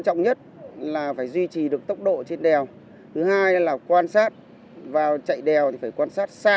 tỉnh sơn la biker này mới kể việc va vào gia súc